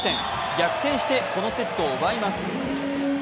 逆転してこのセットを奪います。